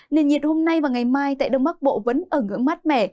nền nhiệt hôm nay và ngày mai tại đông bắc bộ vẫn ở ngưỡng mát mẻ